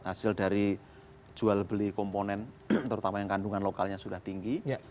hasil dari jual beli komponen terutama yang kandungan lokalnya sudah tinggi